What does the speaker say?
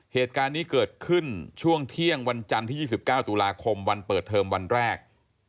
เหตุการณ์นี้เกิดขึ้นช่วงเที่ยงวันจันทร์ที่๒๙ตุลาคมวันเปิดเทอมวันแรก